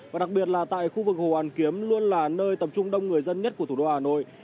và đặc biệt là tại khu vực hồ hoàn kiếm luôn là nơi tập trung đông người dân nhất của thủ đô hà nội